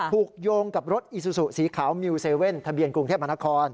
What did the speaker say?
โยงกับรถอีซูซูสีขาวมิวเซเว่นทะเบียนกรุงเทพมหานคร